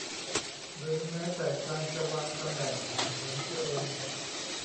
หรือแม้แต่การจะวางตำแหน่งแห่งหนตัวเอง